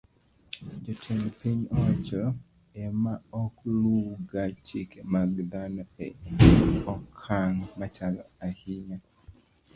Jotend piny owacho e ma ok luwga chike mag dhano e okang' malach ahinya.